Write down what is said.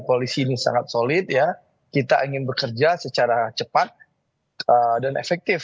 koalisi ini sangat solid ya kita ingin bekerja secara cepat dan efektif